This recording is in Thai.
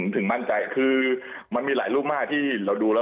ถึงมั่นใจคือมันมีหลายรูปมากที่เราดูแล้ว